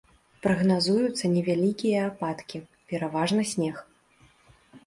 Прагназуюцца невялікія ападкі, пераважна снег.